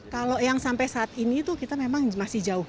kalau yang sampai saat ini tuh kita memang masih jauh